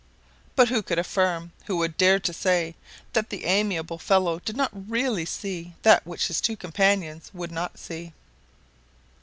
But who could affirm, who would dare to say, that the amiable fellow did not really see that which his two companions would not see?